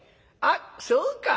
あっそうか。